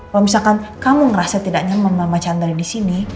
kalau misalkan kamu ngerasa tidak nyaman sama chandra disini